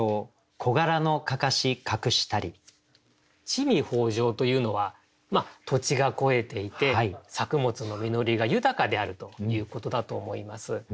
「地味豊饒」というのは土地が肥えていて作物の実りが豊かであるということだと思います。